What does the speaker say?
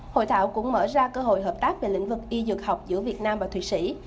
hội thảo cũng mở ra cơ hội hợp tác về lĩnh vực y dược học giữa việt nam và thụy sĩ